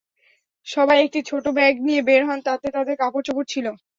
সবাই একটি ছোট ব্যাগ নিয়ে বের হন, তাতে তাঁদের কাপড়চোপড় ছিল।